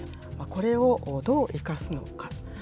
これをどう生かすのか。